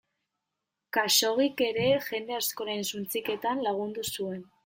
Khaxoggik ere jende askoren suntsiketan lagundu zuen.